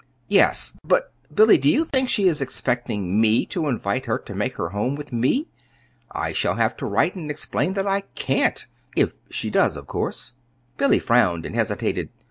"Yes, but Billy, do you think she is expecting me to invite her to make her home with me? I shall have to write and explain that I can't if she does, of course." Billy frowned and hesitated.